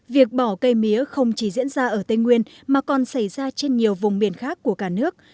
việc bỏ cây mía không chỉ diễn ra ở tây nguyên mà còn xảy ra trên nhiều vùng miền khác của cả nước